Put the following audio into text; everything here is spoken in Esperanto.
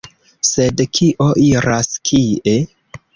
Sed kio iras kie?